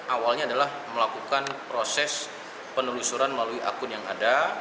awalnya adalah melakukan proses penelusuran melalui akun yang ada